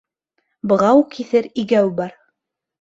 Бығау киҫер игәү бар.